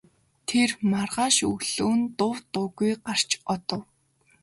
Тэр маргааш өглөө нь дув дуугүй гарч одов.